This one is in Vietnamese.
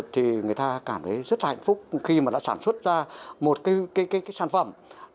thì người ta cảm thấy rất là hạnh phúc khi mà đã sản xuất ra một cái sản phẩm